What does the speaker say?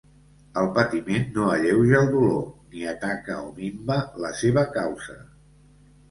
El patiment no alleuja el dolor ni ataca o minva la seva causa.